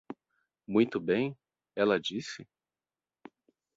Muito bem? ela disse.